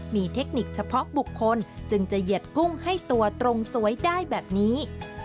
มีเทคนิคเฉพาะบุคคลจึงจะเหยียดกุ้งให้ตัวตรงสวยได้แบบนี้